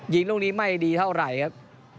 ยิงลูกนี้ไม่ดีเท่าไหร่ครับ